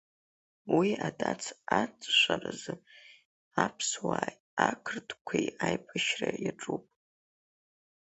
Уи адац аҵжәаразы аԥсуааи ақырҭқәеи аибашьра иаҿуп.